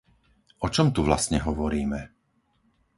O čom tu vlastne hovoríme?